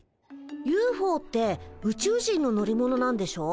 ＵＦＯってウチュウ人の乗り物なんでしょ？